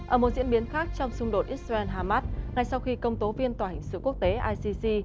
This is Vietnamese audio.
ở một diễn biến khác trong xung đột israel hamas ngay sau khi công tố viên tòa hình sự quốc tế icc